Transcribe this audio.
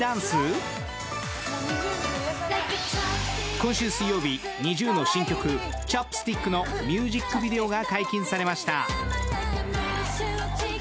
今週水曜日、ＮｉｚｉＵの新曲「Ｃｈｏｐｓｔｉｃｋ」のミュージックビデオが解禁されました。